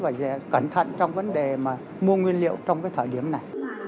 và cẩn thận trong vấn đề mà mua nguyên liệu trong cái thời điểm này